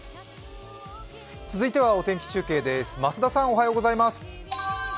続いてはお天気中継です、増田さん。